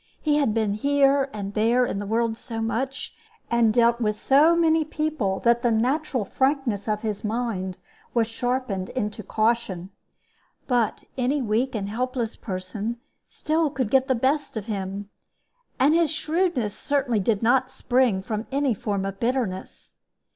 He had been here and there in the world so much, and dealt with so many people, that the natural frankness of his mind was sharpened into caution. But any weak and helpless person still could get the best of him; and his shrewdness certainly did not spring from any form of bitterness.